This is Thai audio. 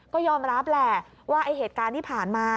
ก็ยอมรับแหละว่าไอ้เหตุการณ์ที่ผ่านมา